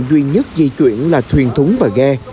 duy nhất di chuyển là thuyền thúng và ghe